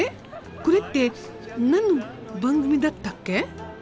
これって何の番組だったっけ？